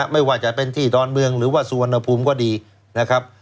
ไม่ว่าจะเป็นที่ดอนเมืองหรือว่าสุวรรณภูมิก็ดีนะครับ